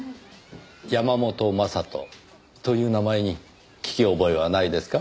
山本将人という名前に聞き覚えはないですか？